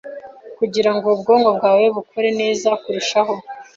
kugirango ubwonko bwawe bukore neza kurushaho.